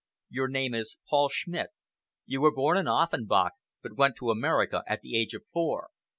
Your name is Paul Schmidt. You were born in Offenbach, but went to America at the age of four.